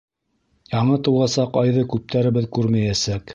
— Яңы тыуасаҡ айҙы күптәребеҙ күрмәйәсәк!